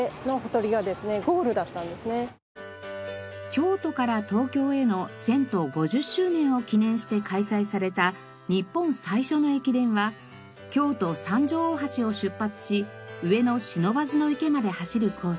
京都から東京への遷都５０周年を記念して開催された日本最初の駅伝は京都三条大橋を出発し上野不忍池まで走るコース。